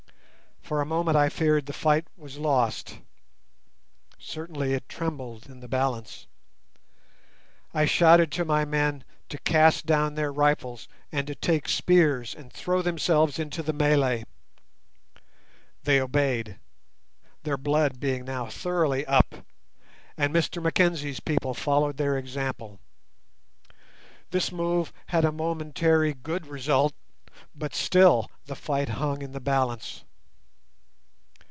For a moment I feared the fight was lost—certainly it trembled in the balance. I shouted to my men to cast down their rifles, and to take spears and throw themselves into the mêlée. They obeyed, their blood being now thoroughly up, and Mr Mackenzie's people followed their example. This move had a momentary good result, but still the fight hung in the balance.